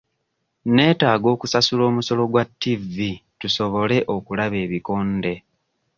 Neetaaga okusasula omusolo gwa ttivi tusobole okulaba ebikonde.